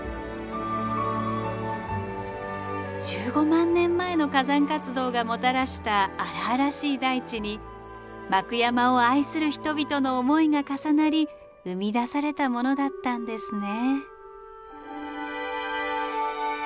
１５万年前の火山活動がもたらした荒々しい大地に幕山を愛する人々の思いが重なり生み出されたものだったんですね。